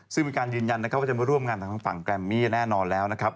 ซึ่งมีการยืนยันนะครับว่าจะมาร่วมงานทางฝั่งแกรมมี่แน่นอนแล้วนะครับ